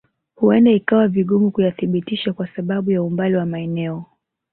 Huenda ikawa vigumu kuyathibitisha kwa sababu ya umbali wa maeneo